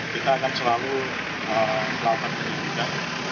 kita akan selalu melakukan penyelidikan